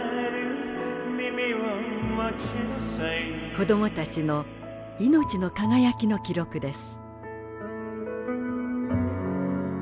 子どもたちのいのちの輝きの記録です。